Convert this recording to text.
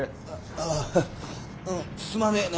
あああうんすまねえな。